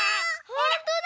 ほんとだ！